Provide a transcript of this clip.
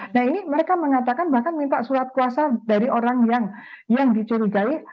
nah ini mereka mengatakan bahkan minta surat kuasa dari orang yang dicurigai